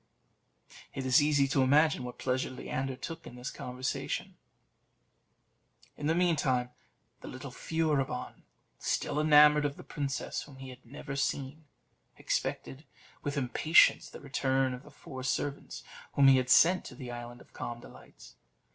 It is easy to imagine what pleasure Leander took in this conversation. In the meantime, the little Furibon, still enamoured of the princess whom he had never seen, expected with impatience the return of the four servants whom he had sent to the Island of Calm Delights.